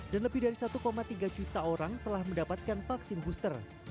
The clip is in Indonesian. dan lebih dari satu tiga juta orang telah mendapatkan vaksin booster